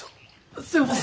すみません！